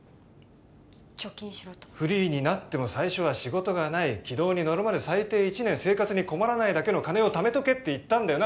「貯金しろ」とフリーになっても最初は仕事がない軌道に乗るまで最低１年生活に困らないだけの金をためとけって言ったんだよな